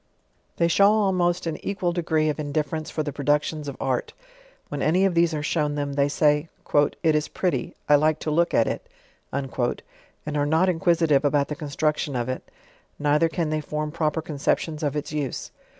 They show almost an equal degree of indifference for th& productions of art. When any of these are eliown them, they say, "It is pretty, I like to look at it/' and are not inquisitive about the construction of it, neither can thej form proper conceptions of its use.